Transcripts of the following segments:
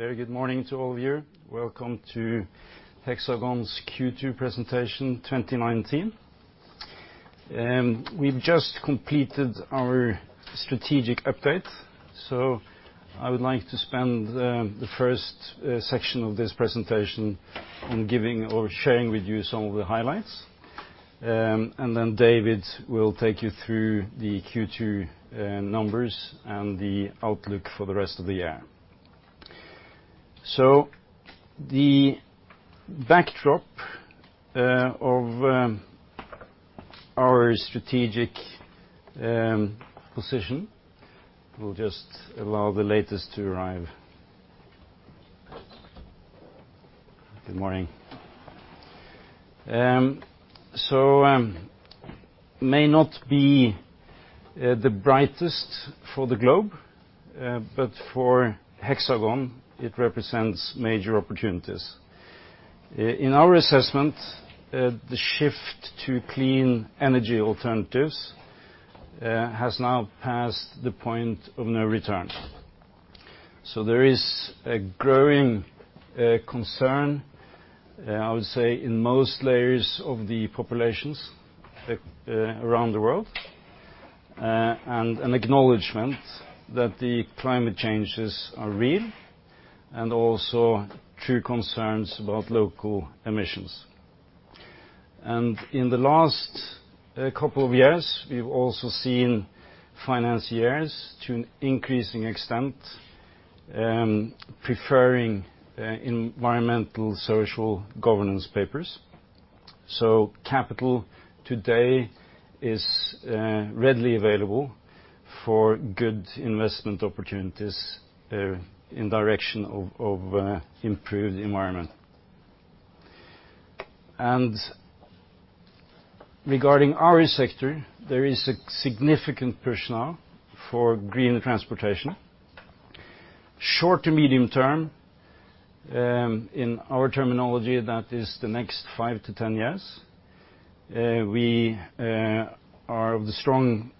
Very good morning to all of you. Welcome to Hexagon's Q2 presentation 2019. We've just completed our strategic update. I would like to spend the first section of this presentation on giving or sharing with you some of the highlights. David will take you through the Q2 numbers and the outlook for the rest of the year. The backdrop of our strategic position. We will just allow the latest to arrive. Good morning. May not be the brightest for the globe, but for Hexagon, it represents major opportunities. In our assessment, the shift to clean energy alternatives has now passed the point of no return. There is a growing concern, I would say, in most layers of the populations around the world, and an acknowledgement that the climate changes are real and also true concerns about local emissions. In the last couple of years, we've also seen financiers, to an increasing extent, preferring Environmental Social Governance papers. Capital today is readily available for good investment opportunities in direction of improved environment. Regarding our sector, there is a significant push now for green transportation. Short to medium term, in our terminology, that is the next five to 10 years, we are of the strong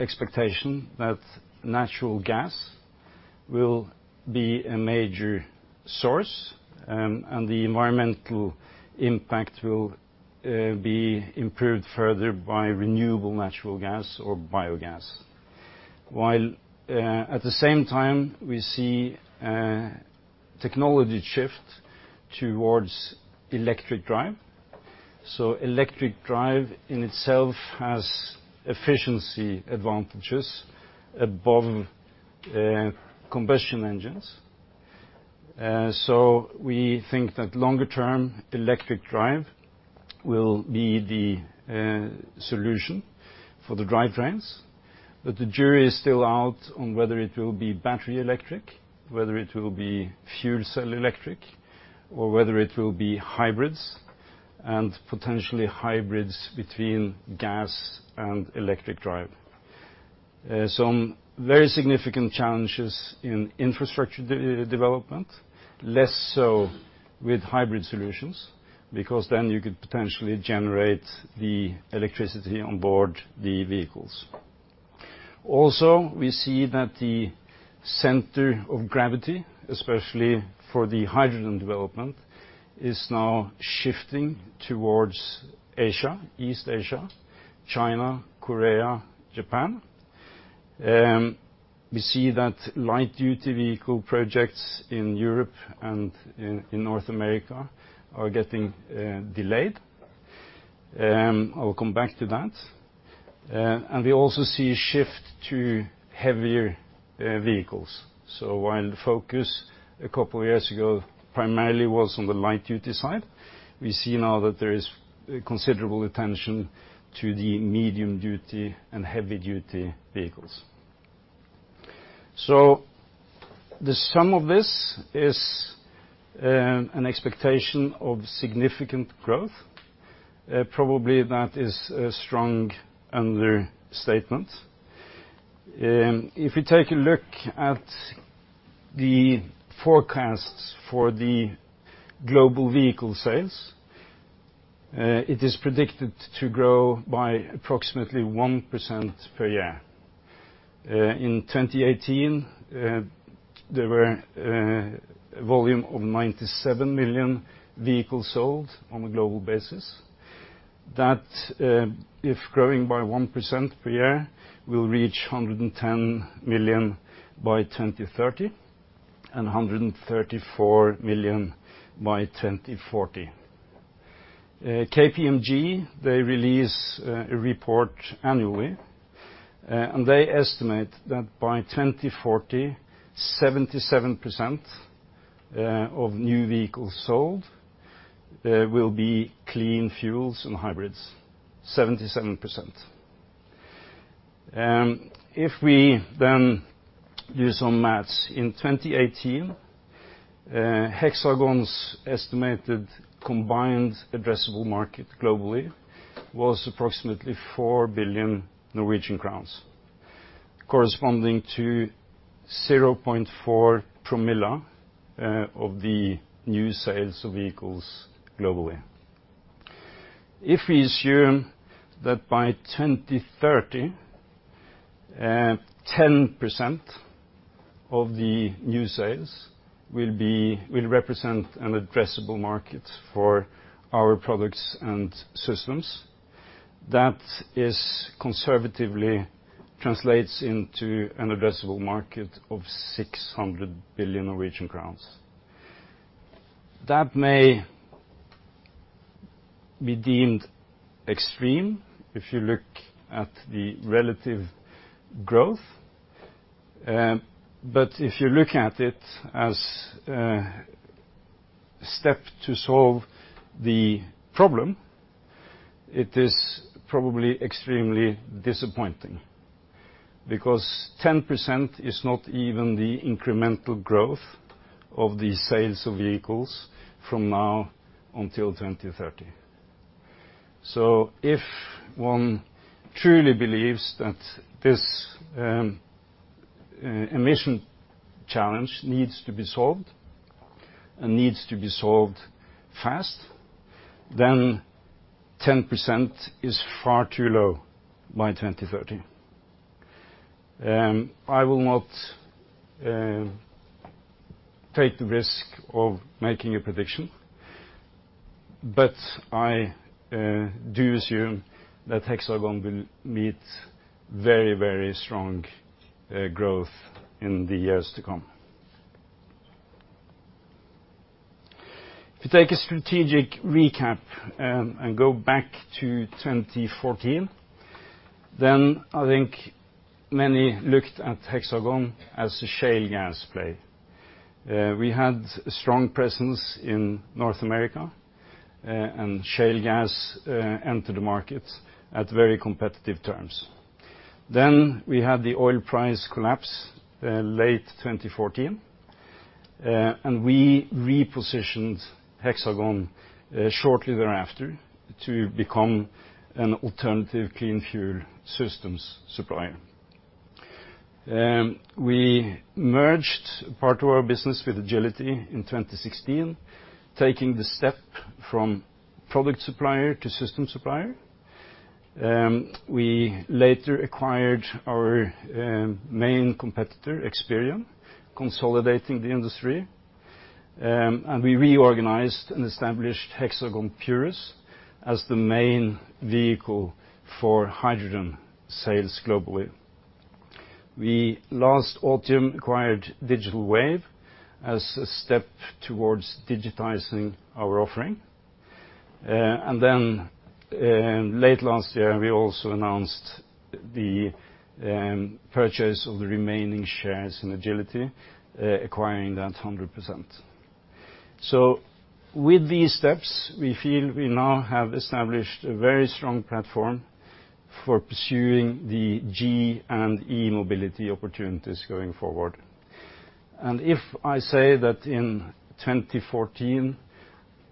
expectation that natural gas will be a major source, and the environmental impact will be improved further by renewable natural gas or biogas. While, at the same time, we see a technology shift towards electric drive. Electric drive in itself has efficiency advantages above combustion engines. We think that longer term electric drive will be the solution for the drivetrains, but the jury is still out on whether it will be battery electric, whether it will be fuel cell electric, or whether it will be hybrids, and potentially hybrids between gas and electric drive. Some very significant challenges in infrastructure development, less so with hybrid solutions, because then you could potentially generate the electricity on board the vehicles. We see that the center of gravity, especially for the hydrogen development, is now shifting towards Asia, East Asia, China, Korea, Japan. We see that light-duty vehicle projects in Europe and in North America are getting delayed. I will come back to that. We also see a shift to heavier vehicles. While the focus a couple of years ago primarily was on the light-duty side, we see now that there is considerable attention to the medium-duty and heavy-duty vehicles. The sum of this is an expectation of significant growth. Probably that is a strong understatement. If we take a look at the forecasts for the global vehicle sales, it is predicted to grow by approximately 1% per year. In 2018, there were a volume of 97 million vehicles sold on a global basis. That, if growing by 1% per year, will reach 110 million by 2030 and 134 million by 2040. KPMG, they release a report annually, and they estimate that by 2040, 77% of new vehicles sold will be clean fuels and hybrids, 77%. If we use some math, in 2018, Hexagon's estimated combined addressable market globally was approximately 4 billion Norwegian crowns, corresponding to 0.4 permille of the new sales of vehicles globally. If we assume that by 2030, 10% of the new sales will represent an addressable market for our products and systems, that conservatively translates into an addressable market of 600 billion Norwegian crowns. That may be deemed extreme if you look at the relative growth. If you look at it as a step to solve the problem, it is probably extremely disappointing because 10% is not even the incremental growth of the sales of vehicles from now until 2030. If one truly believes that this emission challenge needs to be solved and needs to be solved fast, then 10% is far too low by 2030. I will not take the risk of making a prediction, but I do assume that Hexagon will meet very strong growth in the years to come. If you take a strategic recap and go back to 2014, then I think many looked at Hexagon as a shale gas play. We had a strong presence in North America and shale gas entered the market at very competitive terms. We had the oil price collapse late 2014, and we repositioned Hexagon shortly thereafter to become an alternative clean fuel systems supplier. We merged part of our business with Agility in 2016, taking the step from product supplier to system supplier. We later acquired our main competitor, Xperion, consolidating the industry, and we reorganized and established Hexagon Purus as the main vehicle for hydrogen sales globally. We last autumn acquired Digital Wave as a step towards digitizing our offering. Late last year, we also announced the purchase of the remaining shares in Agility, acquiring that 100%. With these steps, we feel we now have established a very strong platform for pursuing the g-mobility and e-mobility opportunities going forward. If I say that in 2014,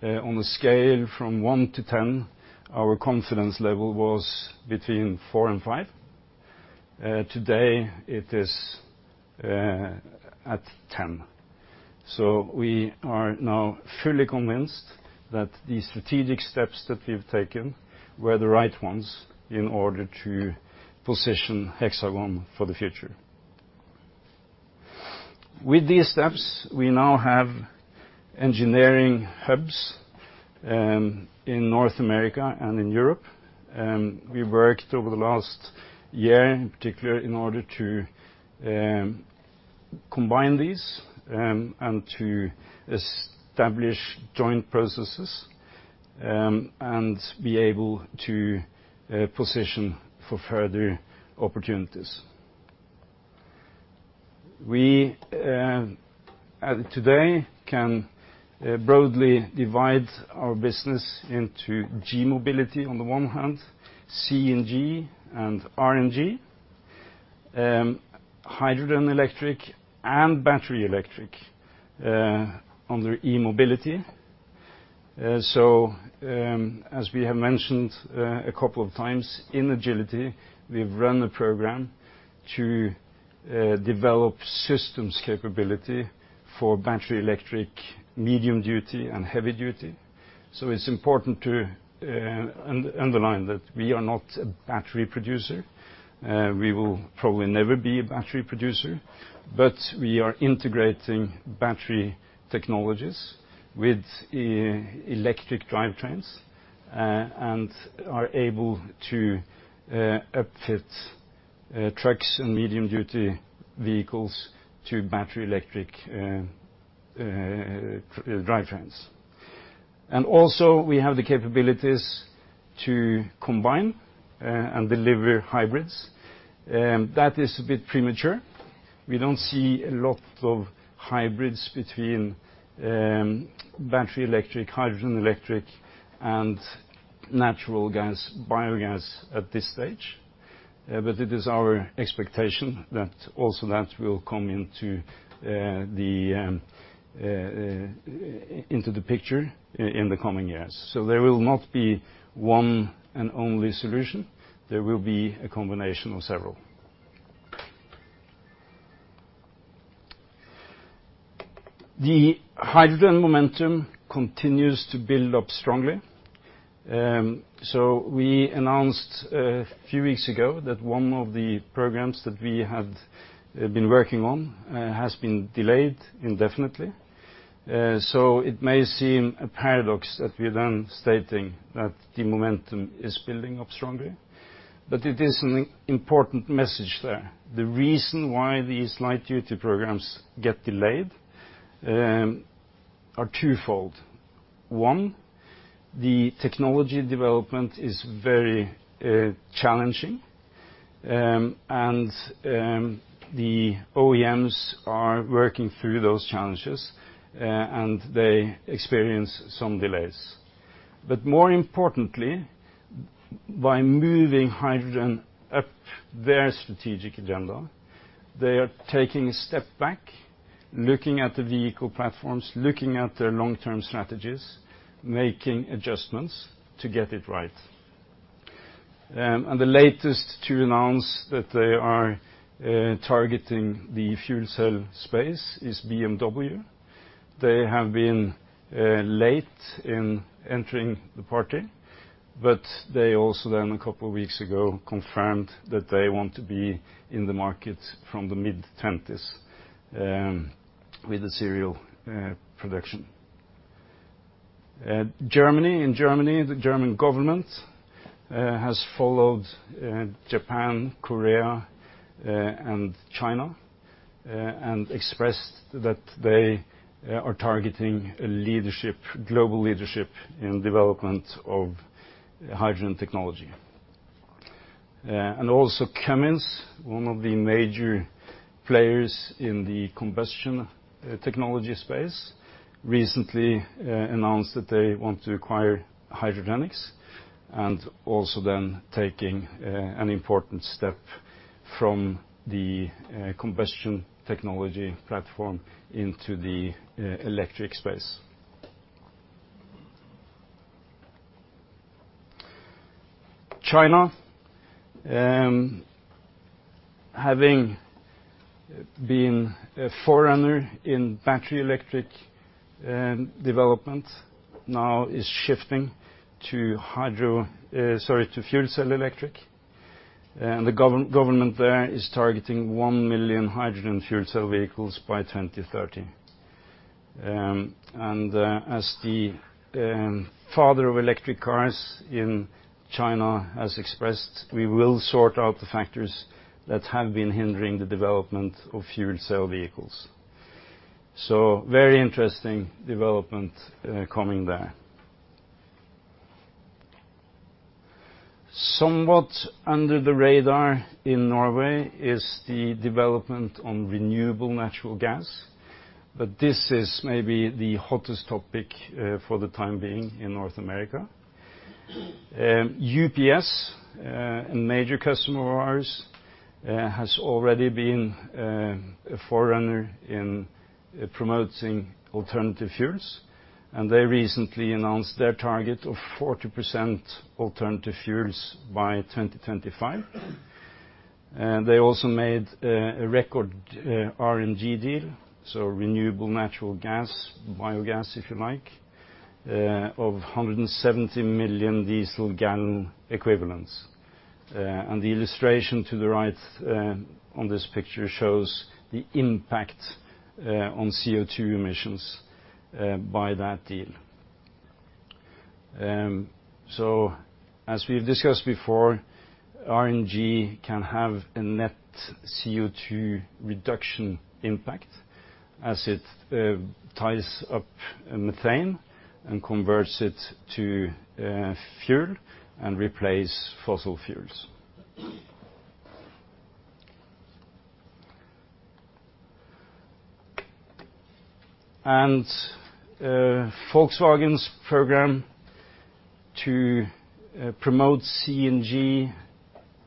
on a scale from one to 10, our confidence level was between four and five. Today it is at 10. We are now fully convinced that the strategic steps that we've taken were the right ones in order to position Hexagon for the future. With these steps, we now have engineering hubs in North America and in Europe. We worked over the last year in particular in order to combine these and to establish joint processes, and be able to position for further opportunities. We, today, can broadly divide our business into g-mobility on the one hand, CNG and RNG, hydrogen electric, and battery electric under e-mobility. As we have mentioned a couple of times, in Agility, we've run a program to develop systems capability for battery electric, medium duty and heavy duty. It's important to underline that we are not a battery producer. We will probably never be a battery producer. We are integrating battery technologies with electric drivetrains and are able to upfit trucks and medium duty vehicles to battery electric drivetrains. Also we have the capabilities to combine and deliver hybrids. That is a bit premature. We don't see a lot of hybrids between battery electric, hydrogen electric, and natural gas, biogas at this stage. It is our expectation that also that will come into the picture in the coming years. There will not be one and only solution. There will be a combination of several. The hydrogen momentum continues to build up strongly. We announced a few weeks ago that one of the programs that we have been working on has been delayed indefinitely. It may seem a paradox that we are then stating that the momentum is building up strongly, but it is an important message there. The reason why these light-duty programs get delayed are twofold. One, the technology development is very challenging, and the OEMs are working through those challenges, and they experience some delays. More importantly, by moving hydrogen up their strategic agenda, they are taking a step back, looking at the vehicle platforms, looking at their long-term strategies, making adjustments to get it right. The latest to announce that they are targeting the fuel cell space is BMW. They have been late in entering the party, but they also then, a couple of weeks ago, confirmed that they want to be in the market from the mid-2020s with the serial production. Germany. In Germany, the German government has followed Japan, Korea, and China, and expressed that they are targeting global leadership in development of hydrogen technology. Also Cummins, one of the major players in the combustion technology space, recently announced that they want to acquire Hydrogenics, and also then taking an important step from the combustion technology platform into the electric space. China, having been a forerunner in battery electric development, now is shifting to fuel cell electric. The government there is targeting 1 million hydrogen fuel cell vehicles by 2030. As the father of electric cars in China has expressed, we will sort out the factors that have been hindering the development of fuel cell vehicles. Very interesting development coming there. Somewhat under the radar in Norway is the development on renewable natural gas, this is maybe the hottest topic for the time being in North America. UPS, a major customer of ours, has already been a forerunner in promoting alternative fuels, they recently announced their target of 40% alternative fuels by 2025. They also made a record RNG deal, so renewable natural gas, biogas, if you like, of 170 million diesel gallon equivalents. The illustration to the right on this picture shows the impact on CO2 emissions by that deal. As we've discussed before, RNG can have a net CO2 reduction impact as it ties up methane and converts it to fuel and replace fossil fuels. Volkswagen's program to promote CNG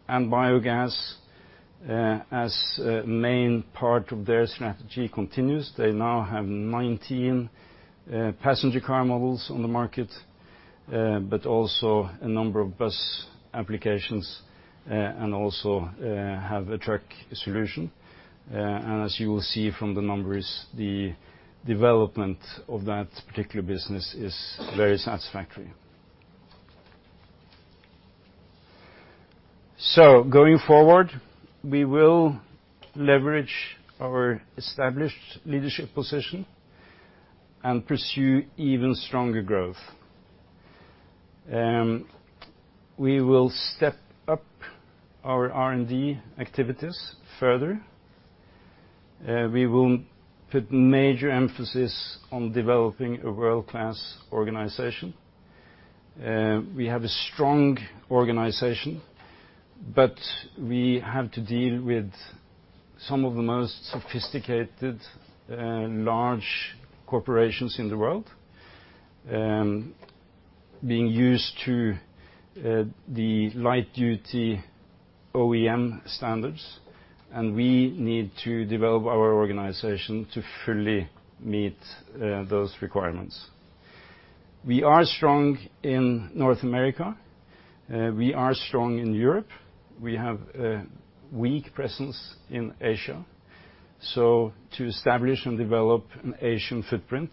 and biogas as a main part of their strategy continues. They now have 19 passenger car models on the market, but also a number of bus applications, and also have a truck solution. As you will see from the numbers, the development of that particular business is very satisfactory. Going forward, we will leverage our established leadership position and pursue even stronger growth. We will step up our R&D activities further. We will put major emphasis on developing a world-class organization. We have a strong organization, but we have to deal with some of the most sophisticated, large corporations in the world, being used to the light-duty OEM standards, and we need to develop our organization to fully meet those requirements. We are strong in North America. We are strong in Europe. We have a weak presence in Asia. To establish and develop an Asian footprint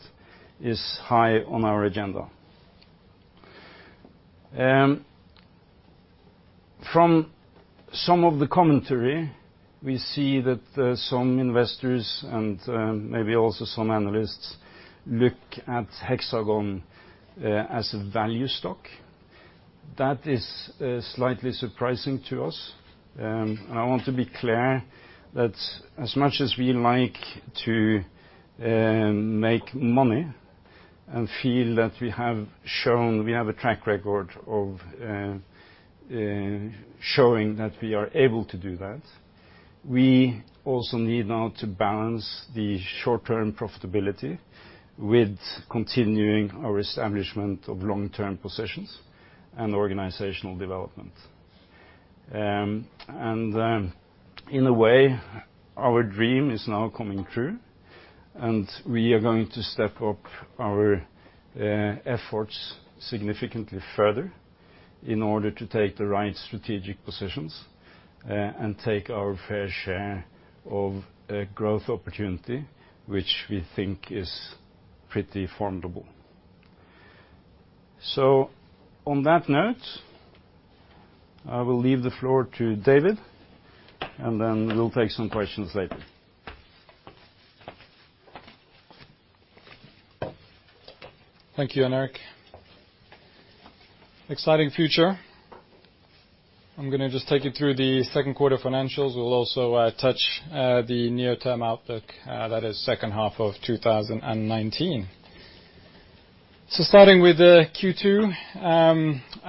is high on our agenda. From some of the commentary, we see that some investors and maybe also some analysts look at Hexagon as a value stock. That is slightly surprising to us. I want to be clear that as much as we like to make money and feel that we have a track record of showing that we are able to do that, we also need now to balance the short-term profitability with continuing our establishment of long-term positions and organizational development. In a way, our dream is now coming true, and we are going to step up our efforts significantly further in order to take the right strategic positions, and take our fair share of growth opportunity, which we think is pretty formidable. On that note, I will leave the floor to David, and then we'll take some questions later. Thank you, Jon Erik. Exciting future. I'm going to just take you through the second quarter financials. We'll also touch the near-term outlook that is second half of 2019. Starting with Q2,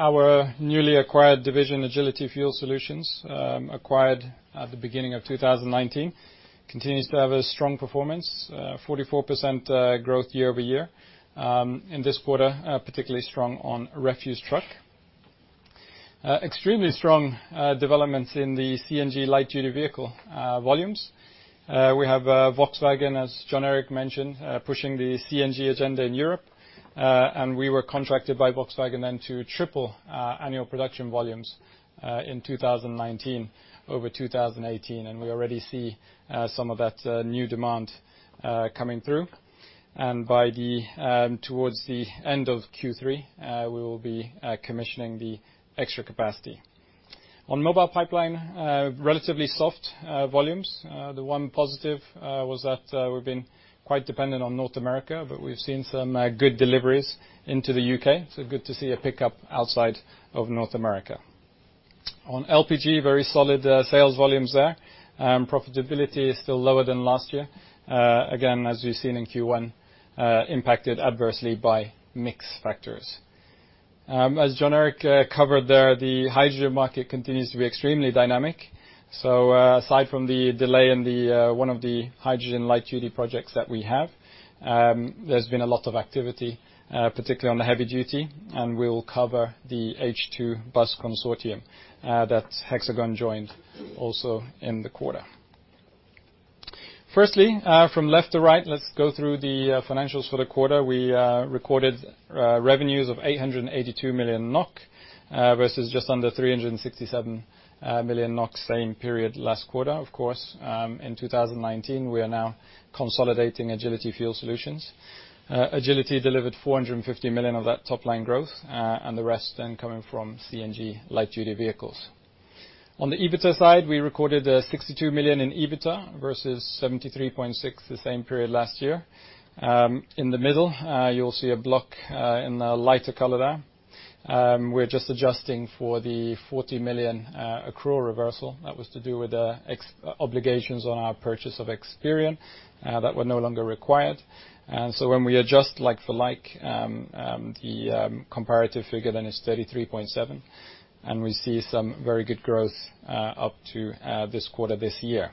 our newly acquired division, Agility Fuel Solutions, acquired at the beginning of 2019, continues to have a strong performance, 44% growth year-over-year in this quarter, particularly strong on refuse truck. Extremely strong developments in the CNG light-duty vehicle volumes. We have Volkswagen, as Jon Erik mentioned, pushing the CNG agenda in Europe. We were contracted by Volkswagen then to triple our annual production volumes in 2019 over 2018. We already see some of that new demand coming through. Towards the end of Q3, we will be commissioning the extra capacity. On Mobile Pipeline, relatively soft volumes. The one positive was that we've been quite dependent on North America, but we've seen some good deliveries into the U.K. Good to see a pickup outside of North America. On LPG, very solid sales volumes there. Profitability is still lower than last year. Again, as we've seen in Q1, impacted adversely by mix factors. As Jon Erik covered there, the hydrogen market continues to be extremely dynamic. Aside from the delay in one of the hydrogen light duty projects that we have, there's been a lot of activity, particularly on the heavy duty, and we will cover the H2Bus Consortium that Hexagon joined also in the quarter. Firstly, from left to right, let's go through the financials for the quarter. We recorded revenues of 882 million NOK, versus just under 367 million NOK same period last quarter. Of course, in 2019, we are now consolidating Agility Fuel Solutions. Agility delivered 450 million of that top line growth, the rest then coming from CNG light-duty vehicles. On the EBITDA side, we recorded 62 million in EBITDA versus 73.6 million the same period last year. In the middle, you'll see a block in the lighter color there. We're just adjusting for the 40 million accrual reversal that was to do with the obligations on our purchase of xperion that were no longer required. When we adjust like for like, the comparative figure then is 33.7 million, we see some very good growth up to this quarter this year.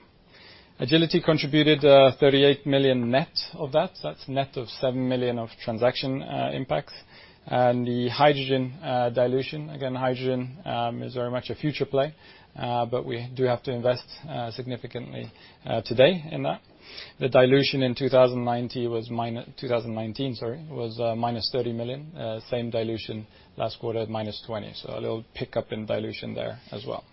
Agility contributed 38 million net of that. That's net of 7 million of transaction impact. The hydrogen dilution, again, hydrogen is very much a future play. We do have to invest significantly today in that. The dilution in 2019 was -30 million. Same dilution last quarter at -20. A little pickup in dilution there as well.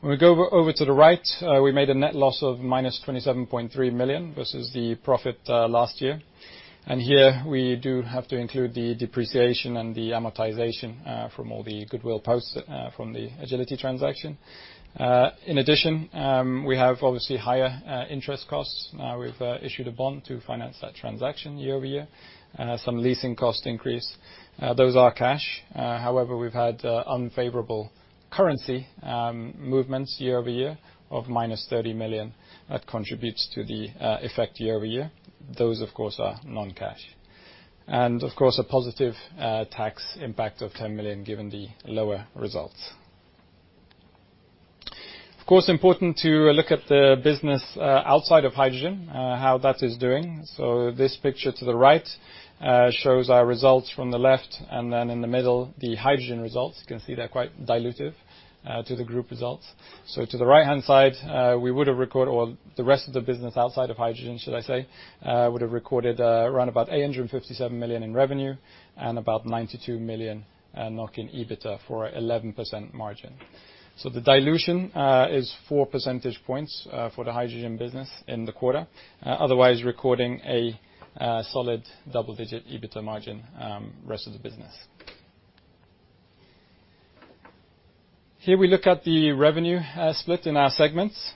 When we go over to the right, we made a net loss of -27.3 million versus the profit last year. Here we do have to include the depreciation and the amortization from all the goodwill posts from the Agility transaction. In addition, we have obviously higher interest costs. We've issued a bond to finance that transaction year-over-year. Some leasing cost increase. Those are cash. However, we've had unfavorable currency movements year-over-year of -30 million. That contributes to the effect year-over-year. Those, of course, are non-cash. Of course, a positive tax impact of 10 million given the lower results. Of course, important to look at the business outside of hydrogen, how that is doing. This picture to the right shows our results from the left, and then in the middle, the hydrogen results. You can see they're quite dilutive to the group results. To the right-hand side, we would've recorded all the rest of the business outside of hydrogen, should I say, would've recorded around about 857 million in revenue and about 92 million NOK in EBITDA for a 11% margin. The dilution is four percentage points for the hydrogen business in the quarter. Otherwise, recording a solid double-digit EBITDA margin rest of the business. Here we look at the revenue split in our segments.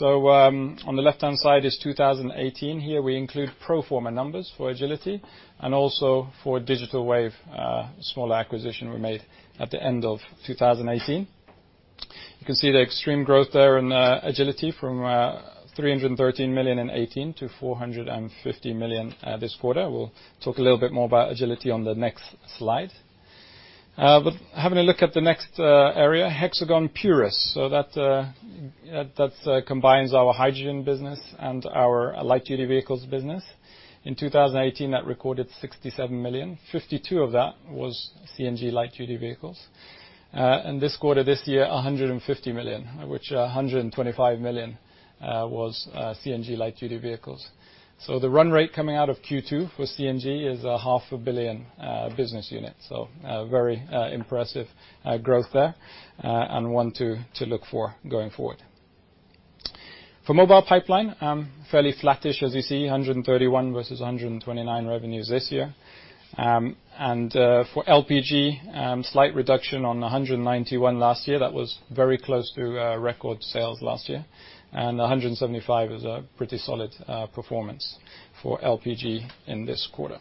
On the left-hand side is 2018. Here we include pro forma numbers for Agility and also for Digital Wave, a small acquisition we made at the end of 2018. You can see the extreme growth there in Agility from 313 million in 2018 to 450 million this quarter. We'll talk a little bit more about Agility on the next slide. Having a look at the next area, Hexagon Purus. That combines our hydrogen business and our light duty vehicles business. In 2018, that recorded 67 million. 52 of that was CNG light duty vehicles. This quarter, this year, 150 million, which 125 million was CNG light duty vehicles. The run rate coming out of Q2 for CNG is a NOK half a billion business unit. A very impressive growth there, and one to look for going forward. For Mobile Pipeline, fairly flattish as you see, 131 versus 129 revenues this year. For LPG, slight reduction on 191 last year. That was very close to record sales last year. 175 million is a pretty solid performance for LPG in this quarter.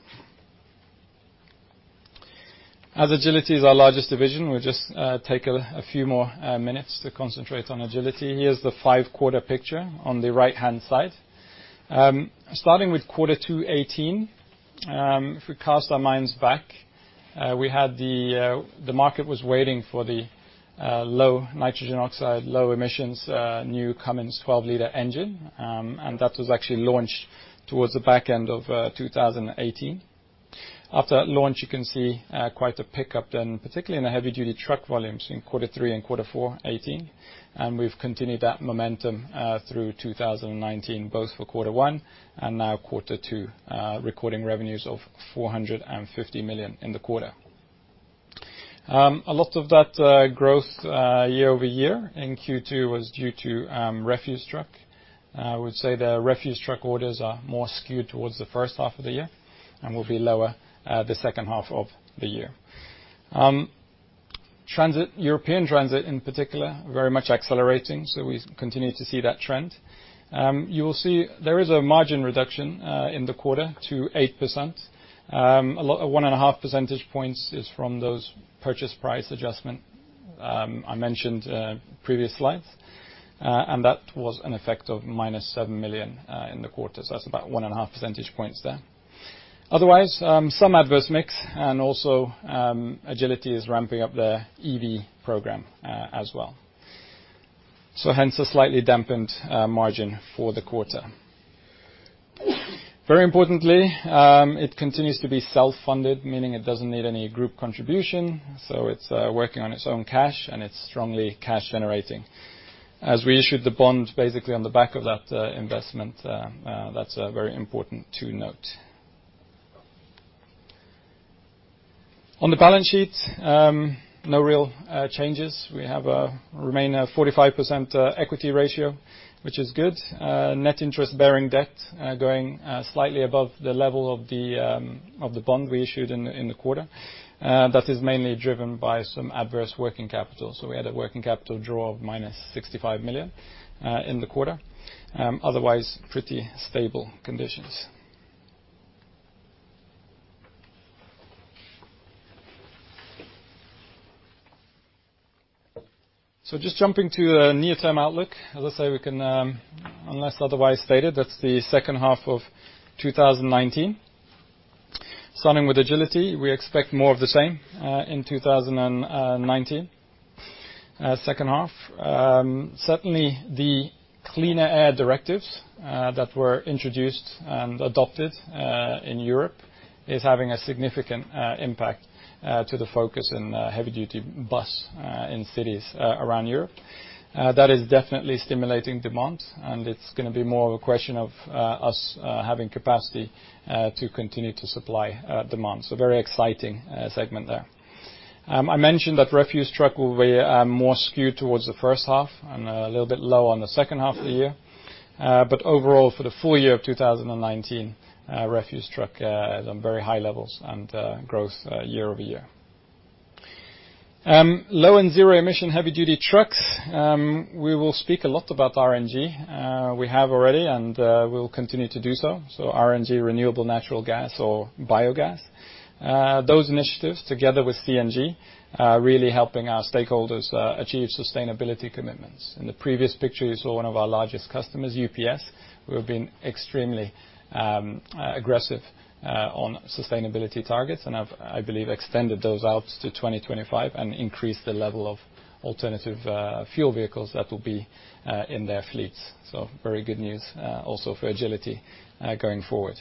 As Agility is our largest division, we'll just take a few more minutes to concentrate on Agility. Here's the five-quarter picture on the right-hand side. Starting with quarter 2 2018, if we cast our minds back, the market was waiting for the low nitrogen oxide, low emissions new Cummins 12 liter engine, and that was actually launched towards the back end of 2018. After that launch, you can see quite a pickup then, particularly in the heavy-duty truck volumes in quarter 3 and quarter 4 2018. We've continued that momentum through 2019, both for quarter 1 and now quarter 2, recording revenues of 450 million in the quarter. A lot of that growth year-over-year in Q2 was due to refuse truck. I would say the refuse truck orders are more skewed towards the first half of the year and will be lower the second half of the year. European transit in particular, very much accelerating, so we continue to see that trend. You will see there is a margin reduction in the quarter to 8%. 1.5 percentage points is from those purchase price adjustment I mentioned previous slides, and that was an effect of minus 7 million in the quarter. That's about 1.5 percentage points there. Otherwise, some adverse mix and also Agility is ramping up their EV program as well. Hence a slightly dampened margin for the quarter. Very importantly, it continues to be self-funded, meaning it doesn't need any group contribution, so it's working on its own cash, and it's strongly cash generating. We issued the bond basically on the back of that investment, that's very important to note. On the balance sheet, no real changes. We have remain a 45% equity ratio, which is good. Net interest-bearing debt going slightly above the level of the bond we issued in the quarter. That is mainly driven by some adverse working capital. We had a working capital draw of minus 65 million in the quarter. Otherwise, pretty stable conditions. Just jumping to near-term outlook. As I say, we can, unless otherwise stated, that's the second half of 2019. Starting with Agility, we expect more of the same in 2019 second half. Certainly the cleaner air directives that were introduced and adopted in Europe is having a significant impact to the focus in heavy duty bus in cities around Europe. That is definitely stimulating demand, and it's going to be more of a question of us having capacity to continue to supply demand. Very exciting segment there. I mentioned that refuse truck will be more skewed towards the first half and a little bit low on the second half of the year. Overall, for the full year of 2019, refuse truck is on very high levels and growth year-over-year. Low and zero emission heavy duty trucks, we will speak a lot about RNG. We have already and we will continue to do so. RNG, renewable natural gas or biogas. Those initiatives together with CNG are really helping our stakeholders achieve sustainability commitments. In the previous picture, you saw one of our largest customers, UPS, who have been extremely aggressive on sustainability targets and have, I believe, extended those out to 2025 and increased the level of alternative fuel vehicles that will be in their fleets. Very good news also for Agility going forward.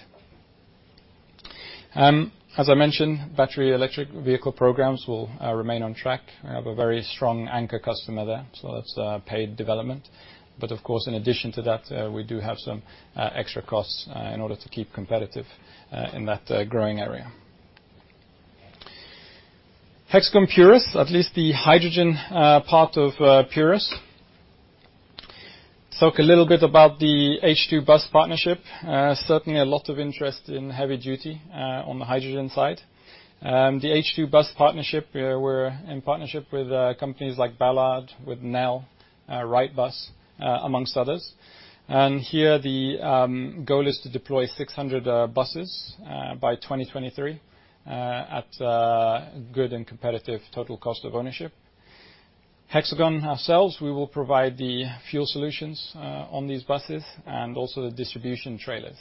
As I mentioned, battery electric vehicle programs will remain on track. We have a very strong anchor customer there, so that's paid development. Of course, in addition to that, we do have some extra costs in order to keep competitive in that growing area. Hexagon Purus, at least the hydrogen part of Purus. Talk a little bit about the H2 Bus Partnership. Certainly a lot of interest in heavy duty on the hydrogen side. The H2 Bus Partnership, we're in partnership with companies like Ballard, with Nel, Wrightbus, amongst others. Here the goal is to deploy 600 buses by 2023 at a good and competitive total cost of ownership. Hexagon ourselves, we will provide the fuel solutions on these buses and also the distribution trailers.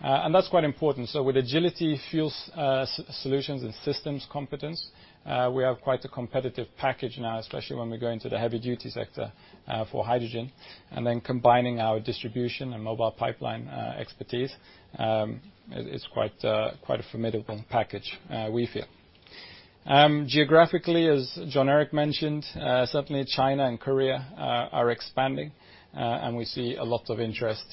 That's quite important. With Agility Fuel Solutions and systems competence, we have quite a competitive package now, especially when we go into the heavy-duty sector for hydrogen and then combining our distribution and Mobile Pipeline expertise, it's quite a formidable package, we feel. Geographically, as Jon Erik mentioned, certainly China and Korea are expanding. We see a lot of interest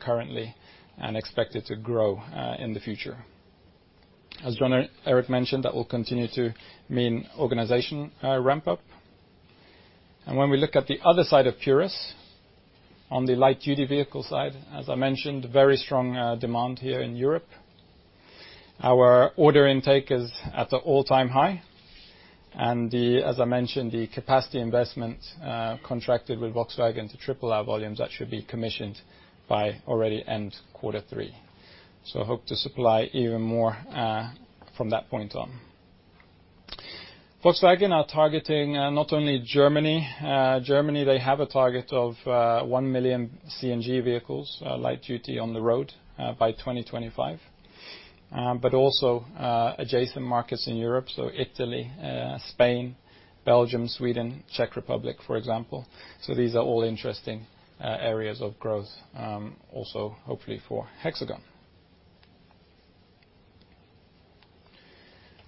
currently and expect it to grow in the future. As Jon Erik mentioned, that will continue to mean organization ramp-up. When we look at the other side of Purus, on the light-duty vehicle side, as I mentioned, very strong demand here in Europe. Our order intake is at the all-time high. As I mentioned, the capacity investment contracted with Volkswagen to triple our volumes, that should be commissioned by already end Q3. Hope to supply even more from that point on. Volkswagen are targeting not only Germany. Germany, they have a target of 1 million CNG vehicles, light duty on the road by 2025, but also adjacent markets in Europe. Italy, Spain, Belgium, Sweden, Czech Republic, for example. These are all interesting areas of growth also hopefully for Hexagon.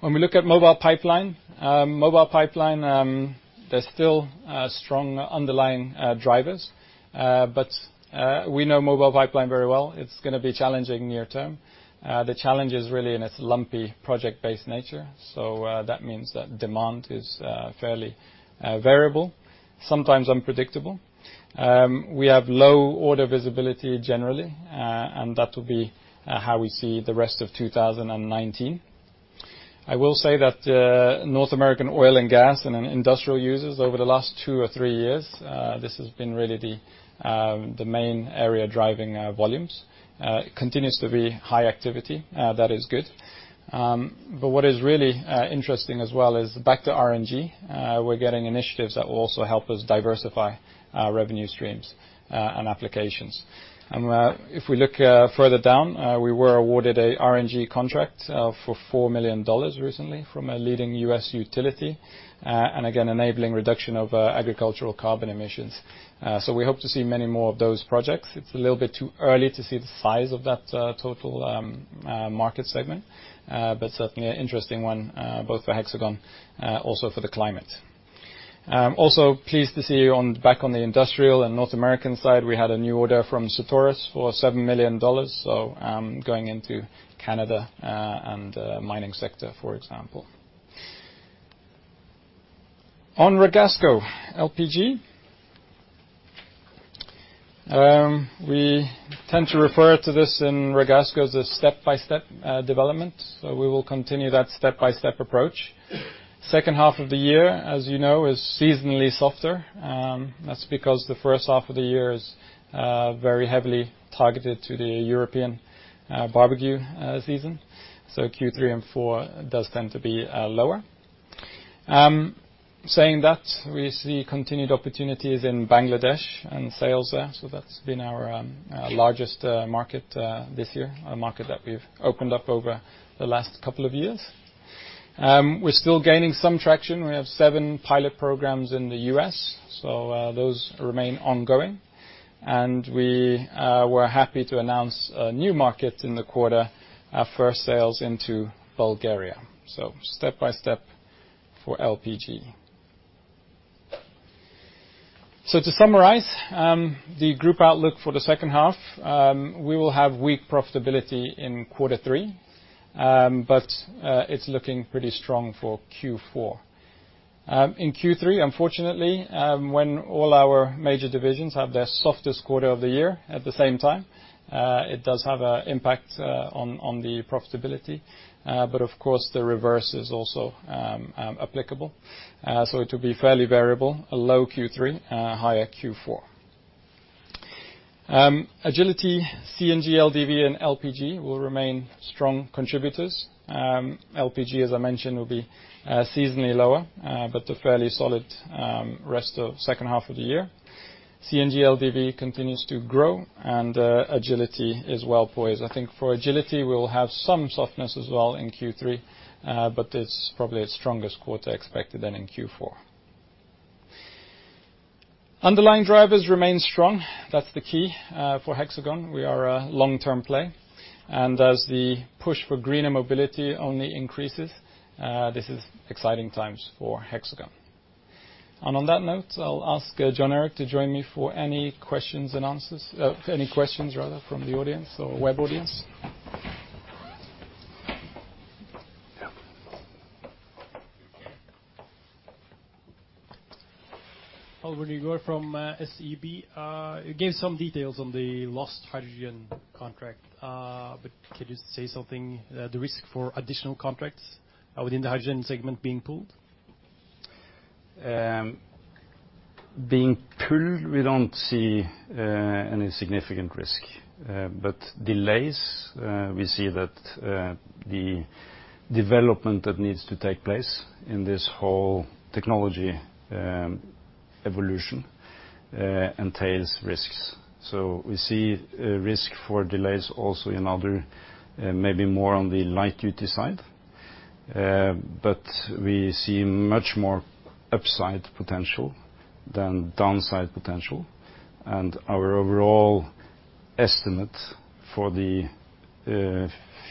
When we look at Mobile Pipeline. Mobile Pipeline, there's still strong underlying drivers, but we know Mobile Pipeline very well. It's going to be challenging near term. The challenge is really in its lumpy project-based nature. That means that demand is fairly variable, sometimes unpredictable. We have low order visibility generally, and that will be how we see the rest of 2019. I will say that North American oil and gas and industrial users over the last two or three years, this has been really the main area driving volumes. Continues to be high activity. That is good. What is really interesting as well is back to RNG. We're getting initiatives that will also help us diversify our revenue streams and applications. If we look further down, we were awarded a RNG contract for $4 million recently from a leading U.S. utility, and again, enabling reduction of agricultural carbon emissions. We hope to see many more of those projects. It's a little bit too early to see the size of that total market segment. Certainly an interesting one both for Hexagon, also for the climate. Pleased to see back on the industrial and North American side, we had a new order from Certarus for NOK 7 million. Going into Canada and mining sector, for example. On Regasco LPG. We tend to refer to this in Regasco as a step-by-step development. We will continue that step-by-step approach. Second half of the year, as you know, is seasonally softer. That's because the first half of the year is very heavily targeted to the European barbecue season. Q3 and four does tend to be lower. Saying that, we see continued opportunities in Bangladesh and sales there. That's been our largest market this year, a market that we've opened up over the last couple of years. We're still gaining some traction. We have seven pilot programs in the U.S., so those remain ongoing. We were happy to announce a new market in the quarter, our first sales into Bulgaria. Step-by-step for LPG. To summarize, the group outlook for the second half, we will have weak profitability in quarter three, but it's looking pretty strong for Q4. In Q3, unfortunately, when all our major divisions have their softest quarter of the year at the same time, it does have an impact on the profitability. Of course, the reverse is also applicable. It will be fairly variable, a low Q3, higher Q4. Agility, CNG, LDV, and LPG will remain strong contributors. LPG, as I mentioned, will be seasonally lower, but a fairly solid rest of second half of the year. CNG, LDV continues to grow, and Agility is well poised. I think for Agility, we will have some softness as well in Q3, but it's probably its strongest quarter expected than in Q4. Underlying drivers remain strong. That's the key for Hexagon. We are a long-term play. As the push for greener mobility only increases, this is exciting times for Hexagon. On that note, I'll ask Jon Erik to join me for any questions rather from the audience or web audience. Yeah. Oliver Nygaard from SEB. You gave some details on the lost hydrogen contract. Could you say something, the risk for additional contracts within the hydrogen segment being pulled? Being pulled, we don't see any significant risk. Delays, we see that the development that needs to take place in this whole technology evolution entails risks. We see a risk for delays also in other, maybe more on the light-duty side. We see much more upside potential than downside potential. Our overall estimate for the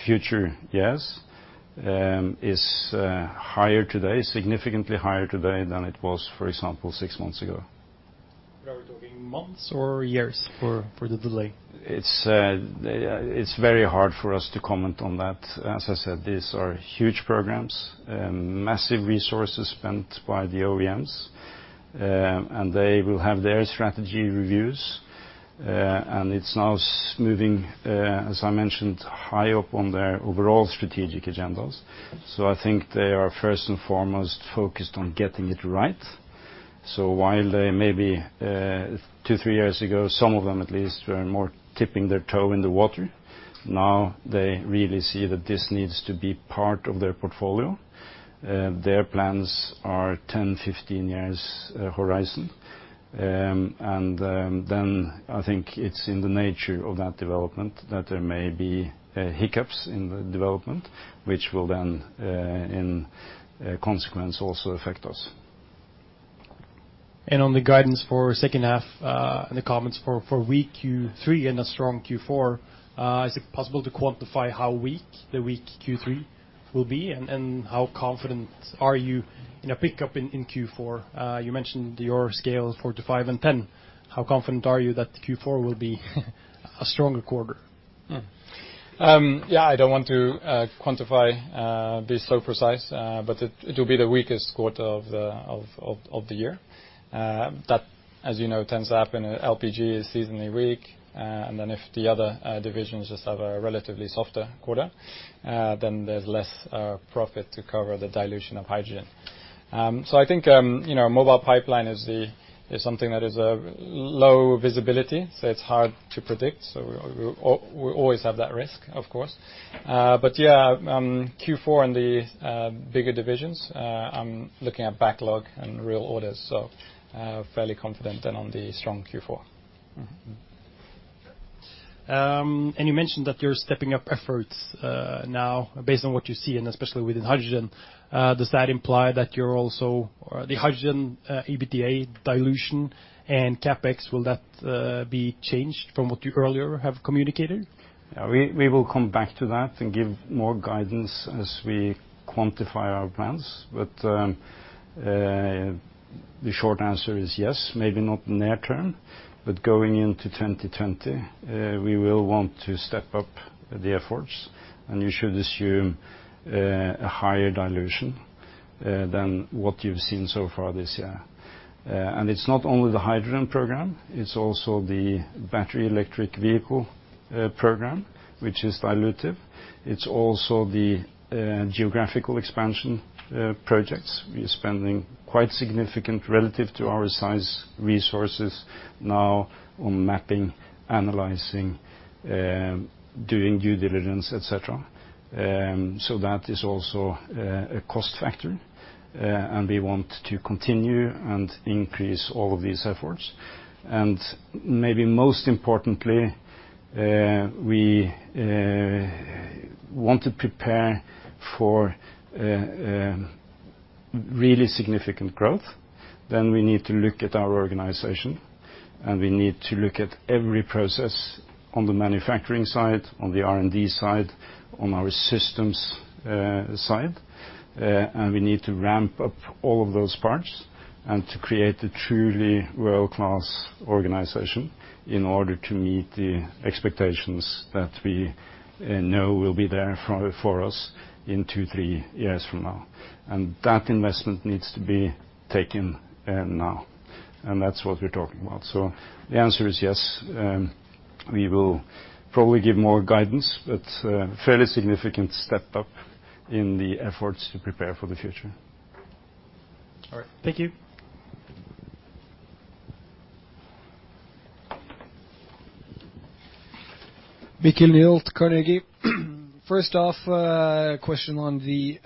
future years is higher today, significantly higher today, than it was, for example, six months ago. Are we talking months or years for the delay? It's very hard for us to comment on that. As I said, these are huge programs, massive resources spent by the OEMs, and they will have their strategy reviews. It's now moving, as I mentioned, high up on their overall strategic agendas. I think they are first and foremost focused on getting it right. While they maybe, two, three years ago, some of them at least were more tipping their toe in the water, now they really see that this needs to be part of their portfolio. Their plans are 10, 15 years horizon. I think it's in the nature of that development that there may be hiccups in the development, which will then, in consequence, also affect us. On the guidance for second half, and the comments for weak Q3 and a strong Q4, is it possible to quantify how weak the weak Q3 will be? How confident are you in a pickup in Q4? You mentioned your scale of four to five and 10. How confident are you that Q4 will be a stronger quarter? Yeah, I don't want to quantify, be so precise. It'll be the weakest quarter of the year. That, as you know, tends to happen. LPG is seasonally weak. If the other divisions just have a relatively softer quarter, then there's less profit to cover the dilution of hydrogen. I think Mobile Pipeline is something that is low visibility, so it's hard to predict. We always have that risk, of course. Yeah, Q4 in the bigger divisions, I'm looking at backlog and real orders, so fairly confident then on the strong Q4. You mentioned that you're stepping up efforts now based on what you see and especially within hydrogen. Does that imply that the hydrogen EBITDA dilution and CapEx, will that be changed from what you earlier have communicated? Yeah, we will come back to that and give more guidance as we quantify our plans. The short answer is yes, maybe not near term, but going into 2020, we will want to step up the efforts, and you should assume a higher dilution than what you've seen so far this year. It's not only the hydrogen program, it's also the battery electric vehicle program, which is dilutive. It's also the geographical expansion projects. We are spending quite significant, relative to our size, resources now on mapping, analyzing, doing due diligence, et cetera. That is also a cost factor. We want to continue and increase all of these efforts. Maybe most importantly, we want to prepare for really significant growth. We need to look at our organization, and we need to look at every process on the manufacturing side, on the R&D side, on our systems side. We need to ramp up all of those parts and to create a truly world-class organization in order to meet the expectations that we know will be there for us in two, three years from now. That investment needs to be taken now, and that's what we're talking about. The answer is yes. We will probably give more guidance, but fairly significant step up in the efforts to prepare for the future. All right. Thank you. Viggo Nilsson, Carnegie. First off, a question on the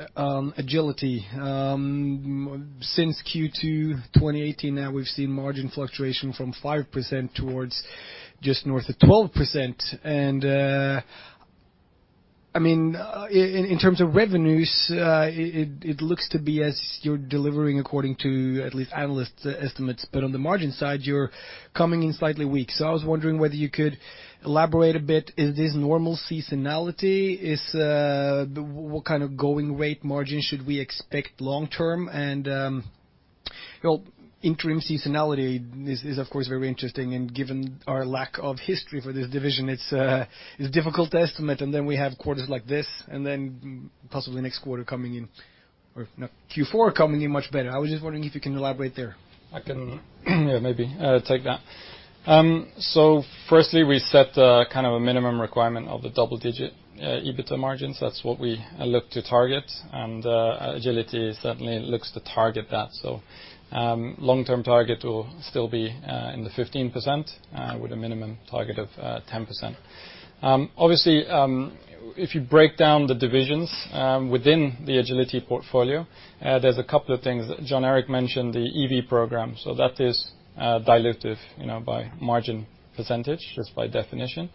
Agility. Since Q2 2018 now, we've seen margin fluctuation from 5% towards just north of 12%. In terms of revenues, it looks to be as you're delivering according to at least analysts' estimates. On the margin side, you're coming in slightly weak. I was wondering whether you could elaborate a bit. Is this normal seasonality? What kind of going rate margin should we expect long term? Interim seasonality is of course very interesting, and given our lack of history for this division, it's difficult to estimate. We have quarters like this, and then possibly Q4 coming in much better. I was just wondering if you can elaborate there. I can, maybe take that. Firstly, we set a minimum requirement of the double-digit EBITDA margins. That's what we look to target. Agility certainly looks to target that. Long-term target will still be in the 15% with a minimum target of 10%. Obviously, if you break down the divisions within the Agility portfolio, there's a couple of things. Jon Erik mentioned the EV program. That is dilutive by margin percentage, just by definition.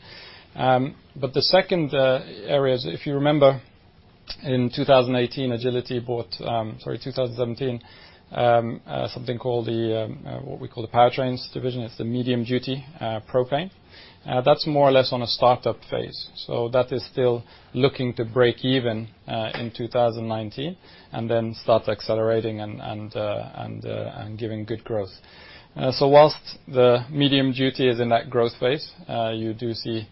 The second area, if you remember in 2018, Agility bought 2017, something called the, what we call the powertrains division. It's the medium duty propane. That's more or less on a startup phase. That is still looking to break even in 2019 and then start accelerating and giving good growth. Whilst the medium duty is in that growth phase, you do see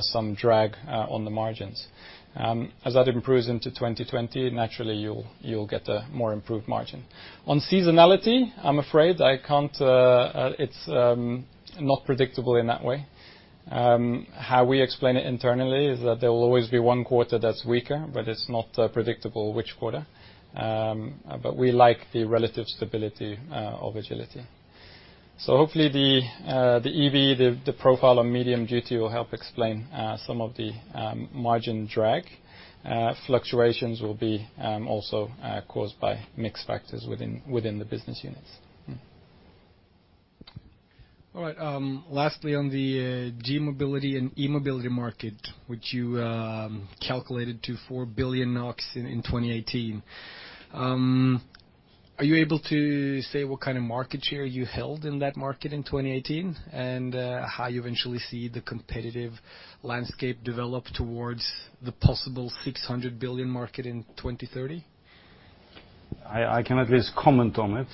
some drag on the margins. As that improves into 2020, naturally you'll get a more improved margin. On seasonality, I'm afraid it's not predictable in that way. How we explain it internally is that there will always be one quarter that's weaker. It's not predictable which quarter. We like the relative stability of Agility. Hopefully the EV, the profile on medium duty will help explain some of the margin drag. Fluctuations will be also caused by mixed factors within the business units. All right. Lastly, on the g-mobility and e-mobility market, which you calculated to 4 billion NOK in 2018. Are you able to say what kind of market share you held in that market in 2018? How you eventually see the competitive landscape develop towards the possible 600 billion market in 2030? I can at least comment on it.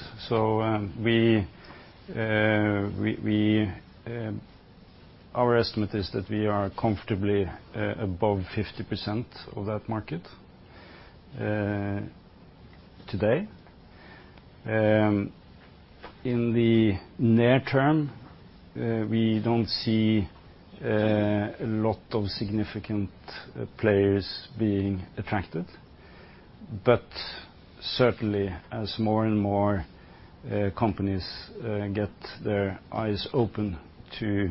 Our estimate is that we are comfortably above 50% of that market today. In the near term, we don't see a lot of significant players being attracted. Certainly as more and more companies get their eyes open to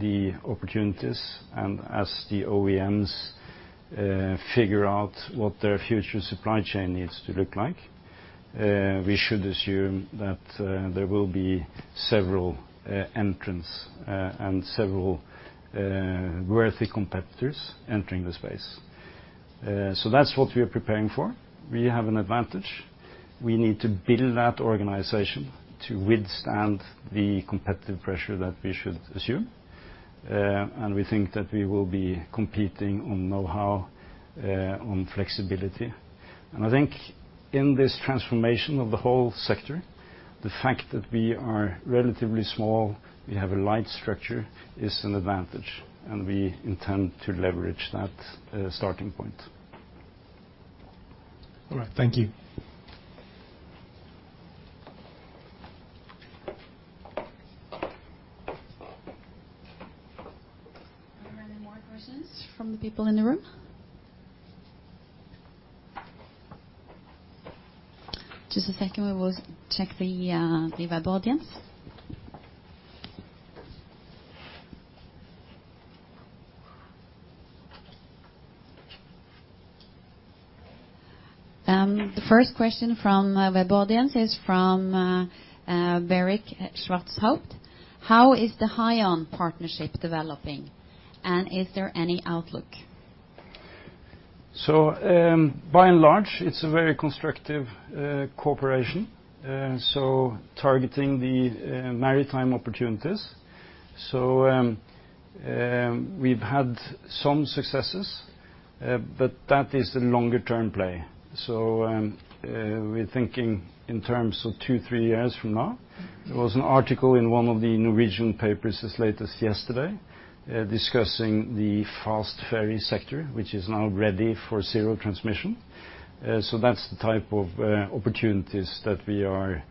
the opportunities and as the OEMs figure out what their future supply chain needs to look like, we should assume that there will be several entrants and several worthy competitors entering the space. That's what we are preparing for. We have an advantage. We need to build that organization to withstand the competitive pressure that we should assume. We think that we will be competing on knowhow, on flexibility. I think in this transformation of the whole sector, the fact that we are relatively small, we have a light structure, is an advantage and we intend to leverage that starting point. All right. Thank you. Are there any more questions from the people in the room? Just a second, we will check the web audience. The first question from web audience is from Berlic at Berenberg. How is the Hyon partnership developing and is there any outlook? By and large it's a very constructive cooperation, so targeting the maritime opportunities. We've had some successes, but that is a longer-term play. We're thinking in terms of two, three years from now. There was an article in one of the Norwegian papers as late as yesterday discussing the fast ferry sector, which is now ready for serial production. That's the type of opportunities that we are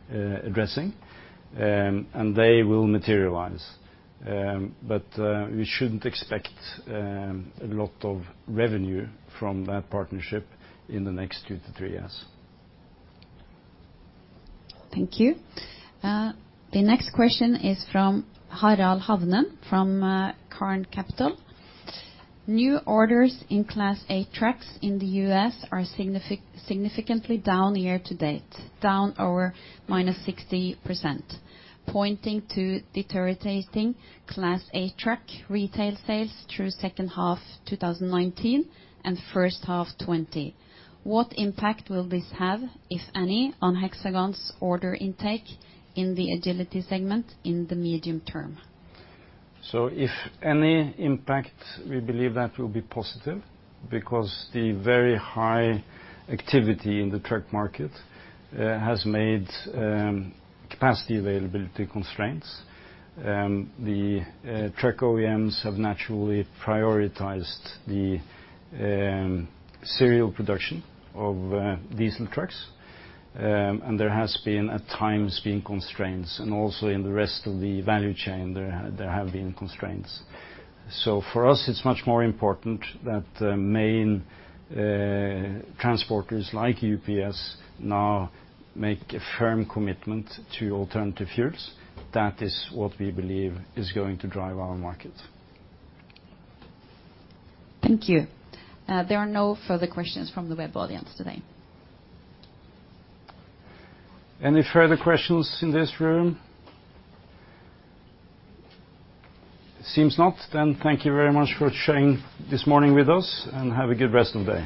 addressing, and they will materialize. We shouldn't expect a lot of revenue from that partnership in the next two to three years. Thank you. The next question is from Harald Havnen from CARN Capital. New orders in Class 8 trucks in the U.S. are significantly down year to date, down -60%, pointing to deteriorating Class 8 truck retail sales through second half 2019 and first half 2020. What impact will this have, if any, on Hexagon's order intake in the Agility segment in the medium term? If any impact, we believe that will be positive because the very high activity in the truck market has made capacity availability constraints. The truck OEMs have naturally prioritized the serial production of diesel trucks. There has at times been constraints and also in the rest of the value chain there have been constraints. For us, it's much more important that the main transporters like UPS now make a firm commitment to alternative fuels. That is what we believe is going to drive our market. Thank you. There are no further questions from the web audience today. Any further questions in this room? Seems not, thank you very much for sharing this morning with us and have a good rest of the day.